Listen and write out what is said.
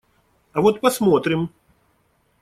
А вот посмотрим!